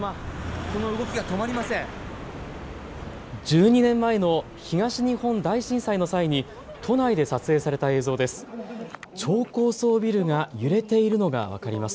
１２年前の東日本大震災の際に都内で撮影された映像です。